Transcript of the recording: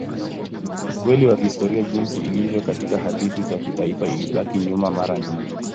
Ukweli wa kihistoria jinsi ilivyo katika hadithi za kitaifa ilibaki nyuma mara nyingi.